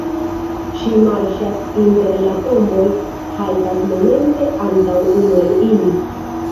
Ŝi marŝas inter la tomboj, haltas momente antaŭ unu el ili.